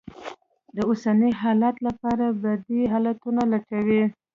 د اوسني حالت لپاره بدي ل حالتونه لټوي.